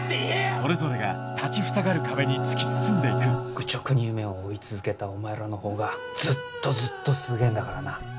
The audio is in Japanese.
それぞれが立ちふさがる壁に突き進んで行く愚直に夢を追い続けたお前らのほうがずっとずっとすげぇんだからな。